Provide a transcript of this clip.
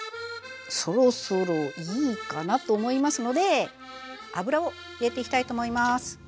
そろそろいいかなと思いますので油を入れていきたいと思います。